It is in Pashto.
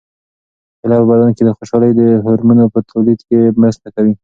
کیله په بدن کې د خوشالۍ د هورمونونو په تولید کې مرسته کوي.